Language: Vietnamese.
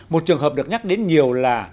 một trường hợp được nhắc đến nhiều là